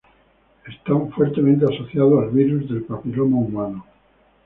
Están fuertemente asociados al virus del papiloma humano.